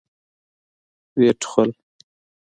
ويې ټوخل.